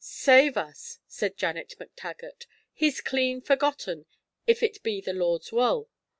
"' 'Save us,' said Janet MacTaggart, 'he's clean forgotten "if it be the Lord's wull."